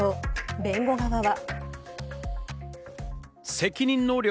弁護側は。